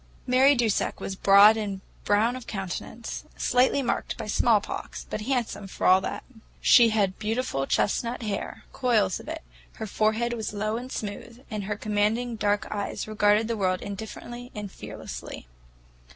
Mary Dusak was broad and brown of countenance, slightly marked by smallpox, but handsome for all that. She had beautiful chestnut hair, coils of it; her forehead was low and smooth, and her commanding dark eyes regarded the world indifferently and fearlessly.